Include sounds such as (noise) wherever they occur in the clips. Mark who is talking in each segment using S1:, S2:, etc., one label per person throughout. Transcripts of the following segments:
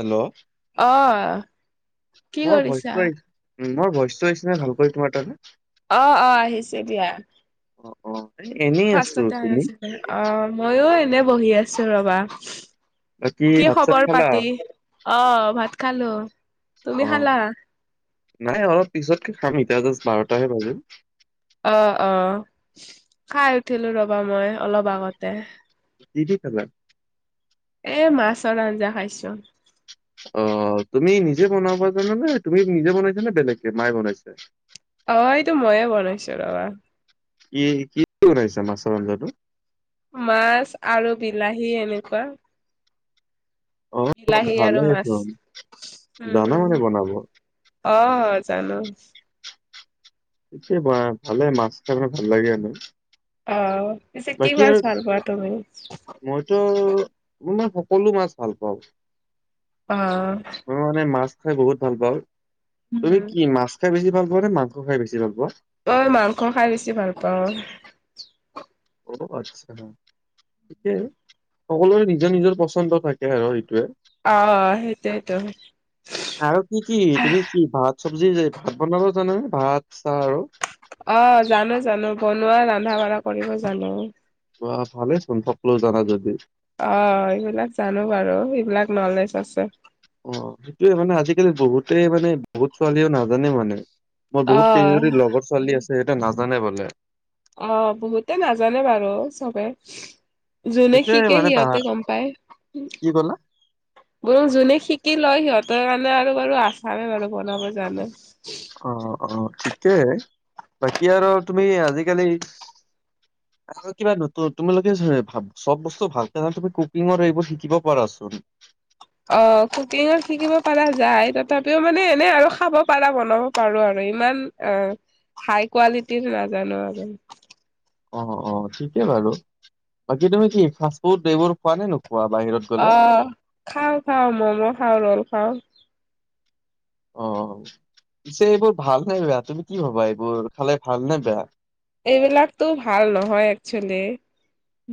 S1: Hello
S2: অ', কি
S1: মোৰ
S2: কৰিছা?
S1: ভইচটো আহিছে উ মোৰ ভইচ ো এইচিনা ভাল কৰি তোমাৰ তাৰমানে
S2: অ অ আহিছে বিিয়া
S1: এ এনেই আছো
S2: ফাৰ্ষ্টতে হৈ
S1: তুমি
S2: আছে অ মইো এনে বহি আছো ৰবা
S1: বাকী
S2: কি
S1: ভাত চাত
S2: খবৰ
S1: খালা?
S2: পাতি আহ ভাত খালো তুমি
S1: অ
S2: খালা
S1: নাই অলপ পিছতকে খাম ইতিয়া জাষ্ট বাৰটাহে বাজম
S2: অ অ খাই উঠিলো ৰবা মই অলপ আগতে
S1: তি কল
S2: এ মাছৰ আঞ্জা খাইছোন
S1: অ তুমি নিজে বনাবা জানানে তুমি নিজে বনাইছ নে বেলেগে মায়ে বনাইছে
S2: অ এইটো ময়ে বনাইছো ৰবা
S1: কি কি কি ওইছা মাছৰঞ্জাটো
S2: মাছ আৰু বিলাহী এনেকুৱা
S1: অ
S2: বিলাহী
S1: ভালে
S2: আৰু মাছ
S1: চোন জানা মানে বনাব।
S2: উম অ জানো
S1: এয়ে ভালে মাছ কাৰাৰণে ভাল লাগে আন
S2: অ পিছে কিমান ভাল পোৱা তুমি
S1: মইতো মাৰ সকলো মাছ ভাল পাওঁ
S2: অ
S1: মই মানে মাছ খাই বহুত ভাল পাওঁ তুমি
S2: উম।
S1: কি মাছ খাই বেছিাল পোৱা নে মাংস খাইেছি ভাল পোৱা
S2: অঐ মাংস খাই বেছি ভাল পাওঁ
S1: অ আচছা হ সিকয় সকলোৰে নিজৰ নিজৰ পচন্দ থাকে আৰু সেইটয়ে
S2: অ সেইটোটোো
S1: আৰু কি কি তুমি কি ভাত চব্জি ভাত বনাব জানানানে ভাত চাহ আৰু
S2: অ জানো জানো বনোৱা ৰন্ধা বঢ়া কৰিব জানো
S1: বা ভালে চোন থকলেোও জানা যদি
S2: অ এইবিলাক জানো বাৰু সবিলাক নলেজ আছে
S1: অ সেইটোয়ে মানে আজিকালি বহুতে মানে বহুত ছোৱালীও নাজানে মানে মোৰ বহুত
S2: অ'
S1: কেইজনদি লগৰ ছোৱালী আছে সেইটো নাজানে বোলে
S2: অ বহুতে নাজানে বাৰু চবে যোনে
S1: সেইটোয়ে
S2: শিকে
S1: মানে পা
S2: সিহঁতে গম পায়
S1: কি ক'লা?
S2: ব যোনে শিকি লয় সিহঁতৰ কাৰণে আৰু বাৰু আচাৰেে বাৰু বনাব জানে
S1: অ অ ঠিকেইহে বাকী আৰু তুমি আজিকালি আৰু কিবা নু তুমিোকে চব বস্তু ভালকহ তুমি কুকিঙৰ এইবোৰ শিকিব পাৰাচোন
S2: অ কুকিঙত শিকিব পাৰা যায় তথাপিও মানে এনে আৰু খাব পাৰা বনাব পাৰো আৰু ইমান অ হাই কোৱালিটিৰ নাজানো আৰু
S1: অ অ ঠিকেই বাৰু বাকী তুমি কি ফাষ্টফুড এইবোৰ খোৱা নে নোখোৱা বাহিৰত গ'লে?
S2: অ খাও খাও মম' খাও ৰল খাওঁ
S1: অ পিছে এইবোৰ ভাল নে বেয়া তুমি কি ভবা এইবোৰ খালে ভাল নে বেয়া
S2: এইবিলাকতো ভাল নহয় একচোৱেলি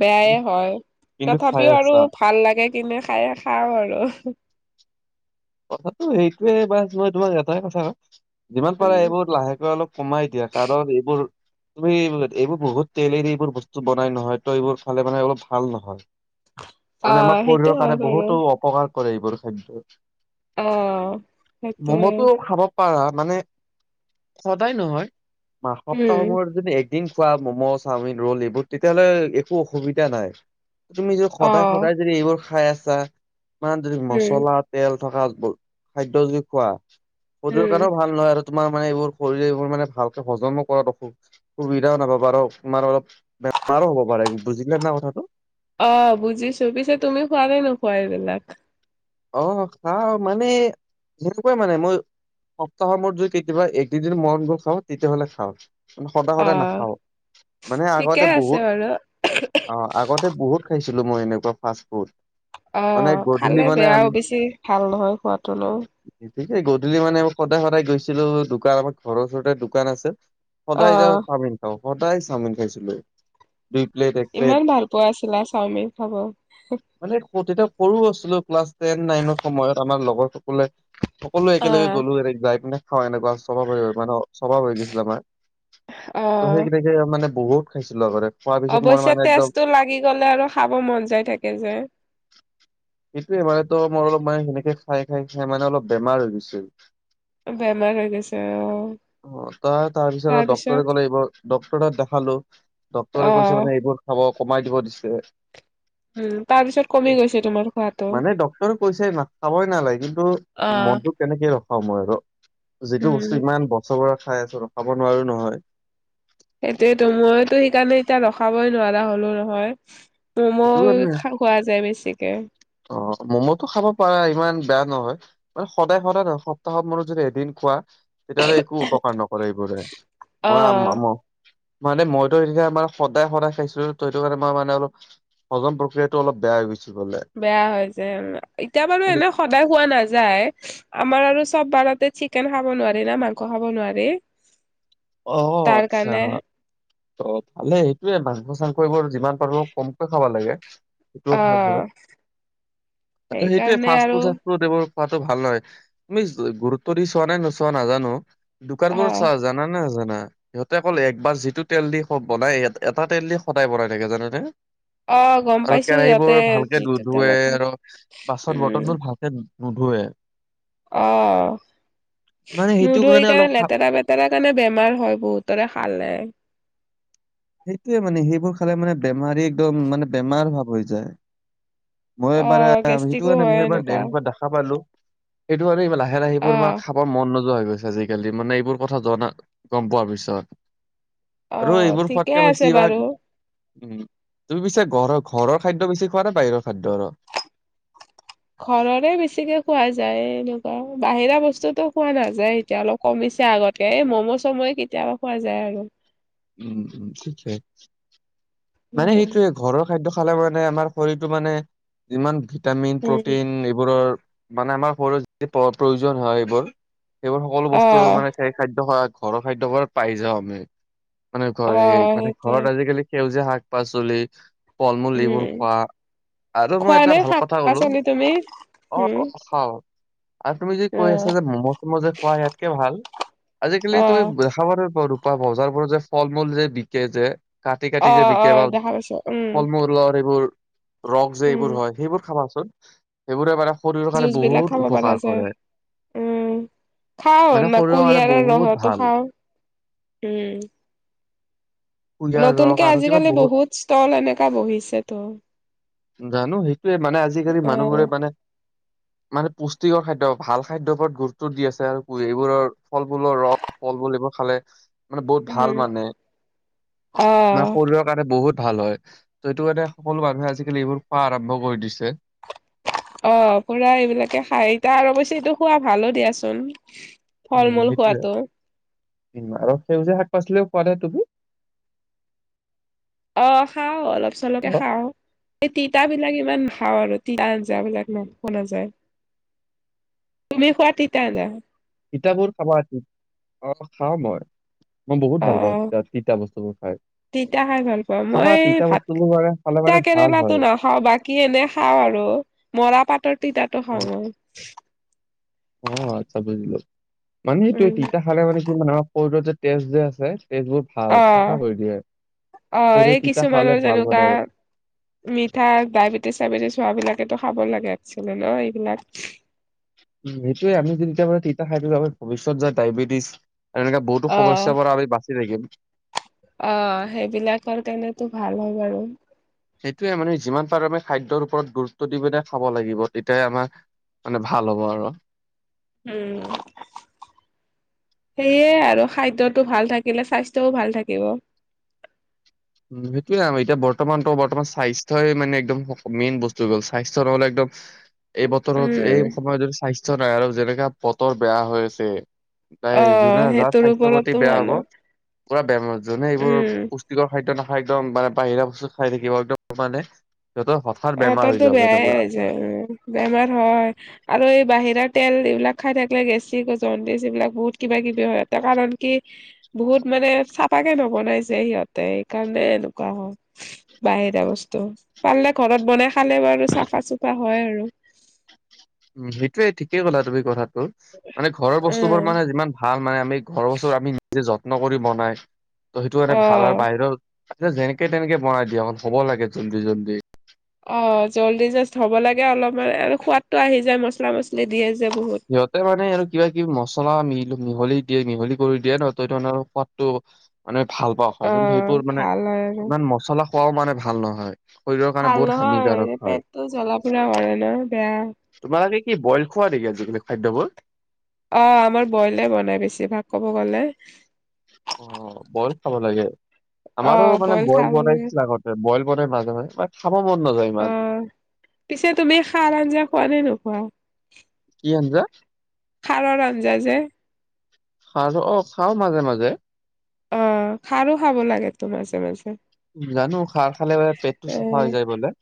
S2: বেয়াই হয়
S1: কিন্তু খাই
S2: তথাপিও আৰু
S1: আছা
S2: ভাল লাগে কিনে খাই খাওঁ আৰু
S1: কথাাতটো সেইটোোৱে বা মই তোমাৰ এটাই কথা ক যিমান পাৰে
S2: উম
S1: এইবোৰ লাহেকৈ অলপ কমাই দিয়া কাৰণ এইবোৰ তুমি এইবোৰ বহুত তেল এৰি এইবোৰ বস্তু বনাই নহয় ত এইবোৰ খালে মানে অলপ ভাল নহয়
S2: অ
S1: মানে আমাক
S2: সেইটো
S1: শৰীৰৰ
S2: হয়
S1: কাৰণে
S2: বাৰু
S1: বহুতো অপকাৰ কৰে এইবোৰ খাদ্য
S2: অ সেইটোৱে
S1: ম'ম'তটো খাব পাৰা মানে সদায় নহয় মাহ
S2: উম
S1: সপ্তাহবোৰ যদি এক দিন খোৱা ম'ম' চাওমিন ৰোল এইবোৰ তেতিয়াহ'লে একো অসুবিধা নাই তুমি যদি
S2: অ
S1: সদায় সদায় যদি এইবোৰ খাই আছা ইমান যদি
S2: উম
S1: মছলা তেল থকা খাদ্য যদি খোৱা শৰীৰৰ
S2: উম
S1: কাৰণেও ভাল নহয় আৰু তোমাৰ মানে এইবোৰ শৰীৰে এইবোৰ মানে ভালকে হজমো কৰাত অসুখ সুবিধাও নাপ বাৰু তোমাৰ অলপ বেমাৰো হ'ব বাৰু বুজিলে না কথাটো
S2: অ বুজিছো পিছে তুমি খোৱ নে নোখোৱা এইবিলাক
S1: অ খাও মানে সনেকুৱাই মানে মই সপ্তাহৰ মোৰত যদি কেতিয়াবা এক দুদিন মনবোৰ খাওঁ তেতিয়াহ'লে খাওঁ সদায়
S2: অ
S1: সদায় নাখাওঁ মানে
S2: ঠিকে
S1: আগতে
S2: আছে বাৰু
S1: বহুত অ আগতে বহুত খাইছিলো মই এনেকুৱা ফাষ্ট ফুড
S2: অ
S1: মানে গধূলি
S2: খালে
S1: মানে আন
S2: বেয়াও বেছি ভাল নহয় খোৱাতো ন
S1: গধূলি মানে সদায় সদায় গৈছিলো দোকান আমাৰ ঘৰৰ ওচৰতে দোকান আছে
S2: অ
S1: সদায় যাওঁ চাওমিন খাও সদায় চাওমিন খাইছিলো দুই প্লেট এক প্লেট
S2: ইমান ভাল পোৱা আছিলা চাওমিন খাব
S1: মানে তেতিয়া সৰুও আছিলো ক্লাছ টেন নাইনৰ সময়ত আমাৰ লগৰ সকলে সকলো
S2: অ
S1: একেলগে গ'লো এ যাই পিনে খাওঁ এনেকুৱা চব মানে সভাব হৈ গৈছিল আমাৰ ত'
S2: অ
S1: সেই তেনেকে মানে বহুত খাইছিলো আগতে খোৱাৰ পিছত মই
S2: অৱশ্যে
S1: মানে একদম
S2: তেষ্টটো লাগি গলে আৰু খাব মন যাই থাকে যে
S1: এইতোৱে মান তো মোৰ অলপ মানে সেনেকে খাই খাই খাই মানে অলপ বেমাৰ হৈ গৈছিল
S2: বেমাৰ হৈ গৈছে অ
S1: অ তাৰ তাৰপিছত ডক্টৰে কলে এইবোৰ ডক্টৰ দেখালো ডক্টৰে কৈছে
S2: অ',
S1: মানে এইবোৰ খাব কমাই দিব দিছে
S2: উম তাৰ পিছত কমি গৈছে তোমাৰ খোৱাদ
S1: মানে ডক্টৰে কৈছে না খাবই নালাগে কিন্তু
S2: অ'।
S1: মনটো কেনেকে ৰখা মই আৰু যিটো
S2: উম,
S1: বস্তু ইমান বছৰপৰা খাই আছো ৰখাব নোৱাৰো নহয়
S2: সেইটোয়েতো মইতো সেইকাৰণে এতিয়া ৰখাবই নোৱাৰা হলো নহয়
S1: সেইটো
S2: ম'ম'
S1: কাৰণে
S2: খা খোৱা যায় বেছিকে
S1: অ ম'ম'টো খাব পাৰা ইমান বেয়া নহয় মানে সদায় সদায় নহয় এসপ্তাহত মোৰত যদি এদিন খোৱা তেতিয়াহ'লে একো অপকাৰ নকৰে এইবোৰে
S2: অ',
S1: মই মানে মইতো তেতিয়া আ মম সদায় সদায় খাইছিলো হেতো কাৰণে মই মানে অলপ হজম প্ৰক্ৰিয়াটো অলপ বেয়া হৈ গৈছিল বোলে
S2: বেয়া হয় যে এতিয়া বাৰু এনে সদায় হোৱা নাযায় আমাৰ আৰু চব বাৰতে চিকেন খাব নোৱাৰে না মাংস খাব নোৱাৰি
S1: অ
S2: তাৰ
S1: আচ্ছা
S2: কাৰণে
S1: ত ভালে সেইটোয়ে মাংস চাংস এইবোৰ যিমান পাৰো কমকৈ খাব লাগে সেইটো ভাল হয়
S2: অ',
S1: সেইটোৱে
S2: সেইকাৰণে
S1: ফষ্ট
S2: আৰু
S1: ফুড দৱৰ পোৱাটো ভাল নহয় তুমি গুৰুত্ব দি চোৱা নাই নোচোৱা নাজানো দোকানবোৰত
S2: অ'।
S1: চাহ জানা না জানা সিহঁতে অকল একবাৰ যিটো তেল দি বনাই এটা তেল দি সদায় বনাই থাকে জানানে
S2: অ গম
S1: ঘৰত
S2: পাইছো
S1: কেৰাহী
S2: সিহঁতে
S1: বোৰ ভালকে ধ
S2: যিটো
S1: ধোৱে
S2: তেলতো
S1: আৰু বাছত
S2: উম
S1: বৰ্তন বোৰ ভাল নোধোৱে
S2: অ
S1: মানে সেইটো
S2: নুধোৱে
S1: অলপ
S2: কাৰণে
S1: খা
S2: লেতেৰা পেতেৰা তাৰ কাৰণে বেমাৰ হয় বহুতৰে খালে
S1: সেইটোয়ে মানে সেইবোৰ খালে মানে বেমাৰী একদম মানে বেমাৰ ভাৱ হৈ যায় মই
S2: অ
S1: এবাৰ এটা
S2: গেষ্টিকো
S1: ভিদিঅ
S2: হয়
S1: এইবাৰ
S2: এনেকুৱা
S1: দেখা পালো এইটো কাৰনে লাহে
S2: অ
S1: লাহেবোৰ ইমান খাবৰ মন নোযোৱা হৈ গৈছে আজিকালি মানে এইবোৰ কথা জনা গম পোৱাৰ পিছত
S2: অ
S1: আৰু এইবোৰ
S2: ঠিকে
S1: খোৱাতকে
S2: আছে
S1: বেছিভাগ
S2: বাৰু
S1: উম তুমি পিছা ঘৰৰ ঘৰৰ খাদ্য বেছি খোৱা নে বাহিৰৰ খাদ্য আৰু
S2: ঘৰৰে বেছিকে খোৱা যায় এনেকুৱা বাহিৰা বস্তুতো খোৱা নাযায় এতিয়া অলপ কমিছে আগতেে এই ম'ম' চম'য়ে কেতিয়াবা খোৱা যায় আৰু
S1: উম উম ঠিকছে মানে
S2: উম
S1: সেইটো ঘৰৰ খাদ্্য খালে মানে আমাৰ শৰীৰটো মানে ইিমান ভিটামিন
S2: উম
S1: প্ৰটিন এইবোৰৰ মানে আমাৰ শৰৰ যি প্ৰয়োজন হয় এইবোৰ সেইবোৰ সকলো
S2: অ
S1: বস্তু মানে খাদ্য খ ঘৰৰ খাদ্যয়বাৰ পাই যাওঁ আমি মানে
S2: অ
S1: ঘৰ এই মানে
S2: সেইটোৱে
S1: ঘৰত আজিকালি সেউজীয়া শাক পাচলি ফল মূল এইবোৰ
S2: উম
S1: খোৱা আৰু মই
S2: খোৱা
S1: এটা
S2: নে
S1: ভাল
S2: শাক
S1: কথা কলো
S2: পাচলি তুমি
S1: অ
S2: উম
S1: অ খাও আৰু তুমি যদি
S2: অ
S1: কৈ আছা যে ম'ম' চমো যে খোৱা ইয়াতকে ভাল আজিকালি
S2: অ
S1: তুমি খাব ৰূপা ভজাৰোৰত যে ফল মূল যে বিকে যে কাটি
S2: অ
S1: কাটি যে বিক
S2: অ
S1: বাা
S2: দেখা পাইছো উম
S1: ফল মূল লৰ এইবোৰ ৰস যে
S2: উম
S1: এইবোৰ হয় সেইবোৰ খাবাচোন সেইবোৰে মানে শৰীৰৰ কাৰণে
S2: জুচ বিলাক
S1: বহুত
S2: খাব পৰা
S1: উপকাৰ
S2: যায়
S1: কৰে
S2: উম খাও
S1: মানে
S2: ন
S1: শৰীৰৰ কাৰণে
S2: কুঁহিয়াৰৰ
S1: বহুত
S2: ৰহতো
S1: ভাল
S2: খাও উম
S1: কুঁহিয়াৰ ৰস
S2: নতুনকে
S1: আৰু কিবা
S2: আজিকালি বহুত ষ্টল এনেককা বহিছেতো
S1: জানো সেইটোয়ে মানে আজিকালি
S2: অ
S1: মানুহবোৰে মানে মানে পুষ্টিকৰ খাদ্্য ভাল খাদ্যৰ ওপৰত গুৰুত্ব দি আছে আৰু এইবোৰৰ ফলবুলৰ ৰস ফলবুল এইবোৰ খালে মানে বহুত
S2: উম
S1: ভাল মানে
S2: অ
S1: মে শৰীৰ কাৰণে বহুত ভাল হয় ত সেইটো কাৰণে সকলো মানুহে আজিকালি এইবোৰ খোৱা আৰম্ভ কৰি দিছে
S2: অ পুৰা এইবিলাকে খাই এতা আৰু অৱশে এইটো খোৱা ভালো দিয়াচোন ফল
S1: উম
S2: মূল
S1: সেইটোয়ে
S2: খোৱাতো
S1: আৰু সেউজীয়া শাক পাচলিও পোৱা নাই তুমি
S2: অ খাওঁ অলপ চলকে
S1: অ
S2: খাওঁ এই তিতাাবলাক ইমান খাওঁ আৰু তিতা আঞ্জাাবলাক ন নাযায় তুমি খোৱাটতিাা
S1: তিতাবোৰ খাবা আচ অ খাওঁ মই মই বহুত
S2: অ
S1: ভাল পাওঁ তিাত তিতা বস্তুবোৰ খাই
S2: তিতা খাই ভাল পাওঁ
S1: খাবা
S2: মই
S1: তিতা
S2: ভাত
S1: বস্তুবোৰ মানে খালে
S2: তিতা
S1: মানে ভাল
S2: কেৰেলাটো
S1: হয়
S2: নাখাওঁ বাকী এনে খাওঁ আৰু মৰা পাতৰ তিতাো
S1: অ
S2: হয় মই
S1: অ আচ্ছা বুজিলো মানে সেইটোে
S2: উম
S1: তিতা ালে মানে কি আমাৰ শৰীৰৰ যে তেজ যে আছে তেজবোৰ
S2: অ
S1: ভাল চাফা কৰি দিয়ে
S2: অ
S1: ত
S2: এই
S1: তিতা
S2: কিছুমানৰ
S1: খালে ভাল
S2: যেনেকুৱা
S1: মানে আৰু
S2: মিঠা ডায়বেটিছ চাইবেটিছ হোৱাবিলাকেো খাব লাগে আচ ল এইবিলাক
S1: উমেইয় আমিদি তেতিয়াে তিত খাই বাবে ভৱিষ্যত যায় ডায়বেটিছ আৰু এনেকে বহুতো
S2: অ
S1: সমস্যাৰ পৰা আমি বাচি থাকিম
S2: অ সেইবিলাকৰ কাৰণেতো ভাল হয় বাৰু
S1: সেইটোৱে মানে যিমান পাৰো আমি খাদ্যৰ ওপৰত গুৰুত্ব দি পেল খাব লাগিব তেতিয়া আমাৰ মানে ভাল হ'ব আৰু
S2: উম সেয়ে আৰু খাদ্যতটো ভাল থাকিলে স্বাস্থ্যও ভাল থাকিব
S1: উ সেইটোয়ে নাম এতিয়া বৰ্তমানতো বৰ্তমান স্বাস্থ্যয়ই মানে একদম মেইন বস্তু গ'ল স্বাস্থ্্য নহ'লে একদম এই বতৰত
S2: উম
S1: এই সময়ত যদি স্বাস্থ্য নাই আৰু যেনেকা বতৰ বেয়া হৈ আছে তাই
S2: অ
S1: যোনে যাৰ
S2: সেইটোৰ
S1: স্বাস্থ্যৰ প্ৰতি
S2: ওপৰতো
S1: বেয়া হ'ব
S2: মানুহ
S1: পুৰা বে যোনে এইবোৰ
S2: উম
S1: খাদ্য় নাখায় একদম মানে বাহিৰা বস্তু খাই থাকিব একদম মানে সিহতৰ স
S2: আহ তোৰতো বেয়াই হৈ যায় বেমাৰ হয় আৰু এই বাহিৰাৰ তেল এইবিলাক খাই থাকিলে গেছি গ জডছ এইবিলাক বহুত কিবা কিবি হয়তে কাৰণ কি বহুত মানে চফাাকে নবনাইছে সিহঁতে সেইকাৰণে এনেকুৱা হ বাহিটা বস্তু পাৰিলে ঘৰত বনাই খালে বাৰু চাফা চুফা হয় আৰু
S1: উম সেইটোয়ে ঠিকেই কলা তুমি কথাটো মানে ঘৰৰ বস্তু বোৰ
S2: উম
S1: মানে যিমান ভাল ভাল মানে আমি ঘৰৰ ওচৰত আমি নিজে যত্ন কৰি বনাই ত সেইটো কাৰণে
S2: অ
S1: ভাল আৰু বাহিৰৰ আ যেনেকে তেনেকে বনাই দিয়া অক হ'ব লাগে জল্দি জল্দি
S2: অ', জল্দি জাষ্ট হব লাগে অলপমান আৰু সোৱাদটো আহি যায় মছলা মছলি দিয়ে যে বহুত।
S1: সিহঁতে মানে আৰু কিবা কিবি মছলা মিল মিহলি দিয়ে মিহলি কৰি দিয়ে ন' ত' সোৱাদটো মানে ভাল পাওঁ
S2: অ
S1: হয়, কিন্তু সেইবোৰ মানে
S2: ভাল হয় আৰু
S1: ইমান মচলা খোৱাও মানে ভাল নহয়। শৰীৰৰ কাৰণে বহুত হানিকাৰক হয়।
S2: তো জ্বলা পুৰা কৰে ন' বেয়া।
S1: তোমালোকে কি বইল খোৱা নিকি আজিকালি খাদ্যবোৰ?
S2: অ', আমাৰ বইলে বনাই বেছি ভাগ ক'ব গ'লে।
S1: অ', বইল খাব লাগে
S2: অ
S1: আমাৰো মানে বইল
S2: খাব লাগে
S1: বনাইছিল আগত বইল বনাই মাজে মাজে মানে খাব মন নাযায়
S2: অ
S1: ইমান।
S2: পিছে তুমি খাৰ আঞ্জা খোৱা নে নোখোৱা?
S1: কি আঞ্জা?
S2: খাৰৰ আঞ্জা যে
S1: খাৰ টো, অ' খাওঁ মাজে মাজে।
S2: অ', খাৰো খাব লাগেতো মাজে মাজে।
S1: জানো খাৰ খালে পেটটো
S2: এ
S1: চাফা হৈ যায় বোলে।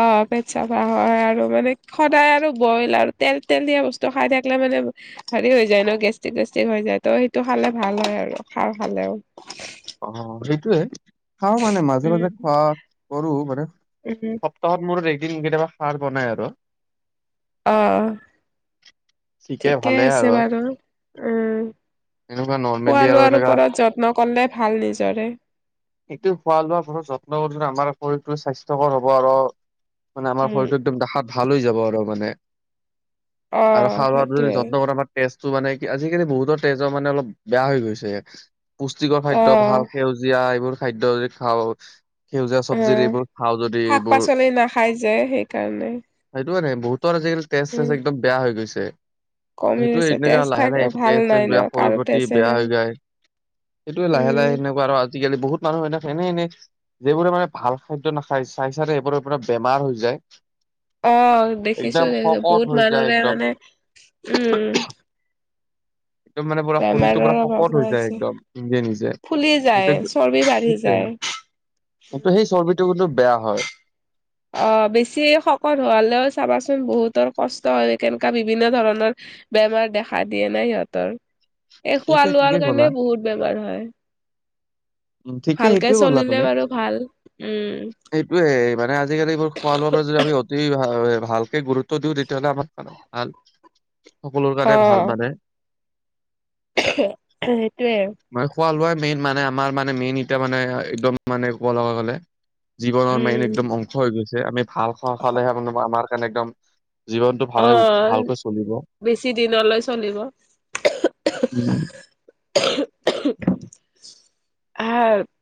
S2: অ', পেট চাফা হয় আৰু মানে সদায় আৰু বইল আৰু তেল তেলিয়া বস্তু খাই থাকিলে মানে হেৰি হৈ যায় ন' গেষ্ট্ৰিক চেষ্ট্ৰিক হৈ যায় ত' সেইটো খালে ভাল হয় আৰু খা খালেওঁ
S1: অ', সেইটোয়ে খাওঁ মানে মাজে
S2: উম
S1: মাজে খোৱা কৰো মানে
S2: উম
S1: তহঁত মোৰ একদিন কেতিয়াবা খাৰ বনাই আৰু।
S2: অ',
S1: ঠিকে
S2: ঠিকেই
S1: ভালে
S2: আছে
S1: আৰু
S2: বাৰু উম,
S1: এনেকুৱা
S2: খোৱা
S1: নৰ্মেলি আৰু
S2: লোৱাৰ
S1: এনেকা
S2: ওপৰত যত্ন কৰিলে ভাল নিজৰে।
S1: এইটো খোৱা লোৱা বহুত যত্ন কৰিলে আমাৰ শৰীৰটো স্বাস্থ্যকৰ হব আৰু মানে আমাৰ
S2: উম
S1: শৰীৰটো একদম দেখাত ভাল হৈ যাব আৰু মানে।
S2: অ
S1: আৰু খাৰ খোৱাটো যদি
S2: সেইটোৱে
S1: যত্ন কৰা আমাৰ তেজটো মানে কি, আজিকালি বহুতৰ তেজ মানে অলপ বেয়া হৈ গৈছে। পুষ্টিকৰ
S2: অ
S1: খাদ্য ভাল সেউজীয়া এইবোৰ খাদ্য যদি খাওঁ সেউজীয়া
S2: অ
S1: সবজিৰ এইবোৰ খাওঁ যদি
S2: শাক
S1: এইবোৰ
S2: পাচলি নাখাই যে সেইকাৰণে
S1: সেইটো নাই বহুতৰ আজিকালি তেজ
S2: উম
S1: চেজ একদম বেয়া হৈ গৈছে।
S2: কমি
S1: সেইটো
S2: গৈছে তেজ
S1: তেনেকে লাহে
S2: থাকে
S1: লাহে
S2: ভাল
S1: তেজ
S2: নাই
S1: তেজ
S2: ন
S1: বেয়া
S2: কাৰো
S1: শৰীৰ প্ৰতি
S2: তেজে
S1: বেয়া
S2: নাই
S1: হৈ যায় সেইটোয়ে লাহে
S2: উম
S1: লাহে সেনেকুৱা আৰু আজিকালি বহুত মানুহ বিলাক এনে এনে যিবোৰে মানে ভাল খাদ্য নাখায়, চাই চাইডে সেইবোৰৰ পৰা বেমাৰ হৈ যায়।
S2: অ'
S1: একদম
S2: দেখিছোঁ দেখিছোঁ
S1: শকত
S2: বহুত
S1: হৈ যায়
S2: মানুহৰে
S1: একদম
S2: মানে উম,
S1: একদম মানে পুৰা শৰীৰটো
S2: বেমাৰৰ
S1: পুৰা
S2: অভাৱ
S1: শকত হৈ যায়
S2: হৈছে
S1: একদম নিজে নিজে
S2: ফুলি যায় চৰ্বি বাঢ়ি
S1: সেই
S2: যায়
S1: কিন্তু সেই চৰ্বিটো কিন্তু বেয়া হয়।
S2: অ', বেছি শকত হোৱালেও চাবাচোন বহুতৰ কষ্ট হয়, কেনকা বিভিন্ন ধৰণৰ বেমাৰ দেখা দিয়ে নাই সিহঁতৰ, এ খোৱা
S1: সেইটোৱে ঠিকে
S2: লোৱাৰ
S1: ক'লা।
S2: কাৰণে বহুত বেমাৰ হয়।
S1: উম, ঠিকে
S2: ভালকে
S1: সেইটোৱে কলা
S2: চলিলে
S1: তুমি।
S2: বাৰু ভাল উম।
S1: সেইটোৱে, মানে আজিকালি এইবোৰ খোৱা লোৱাৰ পৰা যদি আমি অতি ভালকে গুৰুত্ব দিও, তেতিয়াহলে আমাৰ কাৰণে ভাল সকলোৰ
S2: অ
S1: কাৰণে ভাল মানে
S2: সেইটোৱে আৰু।
S1: মানে খোৱা লোৱা মেইন মানে আমাৰ মানে মেইন এতিয়া মানে একদম মানে ক'ব লগা গ'লে। জীৱনৰ
S2: উম
S1: মানে একদম অংশ হৈ গৈছে, আমি ভাল খোৱা খালেহে মানে আমাৰ কাৰণে একদম জীৱনটো
S2: অ
S1: ভালে, ভালকৈ চলিব।
S2: বেছি দিনলৈ চলিব।
S1: উম,
S2: (inaudible)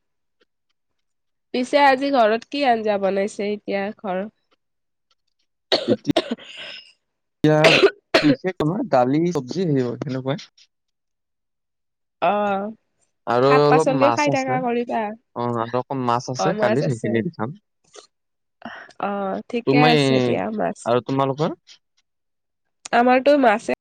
S2: পিছে আজি ঘৰত কি আঞ্জা বনাইছে এতিয়া ঘৰত? (inaudible)
S1: এতিয়া বিশেষ আমাৰ দালি চব্জি থাকিব সেনেকুৱাই
S2: অ',
S1: আৰু
S2: শাক
S1: অলপ
S2: পাচলিও
S1: মাছ
S2: খাই থাকা
S1: আছে,
S2: কৰিবা
S1: অ', অকণ মাছ
S2: অ
S1: আছে
S2: মাছ
S1: কালিৰ
S2: আছে
S1: সেইখিনি দি খাম।
S2: অ ঠিকে
S1: তুমি
S2: আছে দিয়া মাছ
S1: আৰু তোমালোকৰ।
S2: আমাৰ টো মাছে।